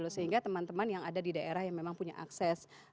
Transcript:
sehingga teman teman yang ada di daerah yang memang punya akses